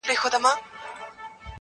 په سپين لاس کي يې دی سپين سگريټ نيولی.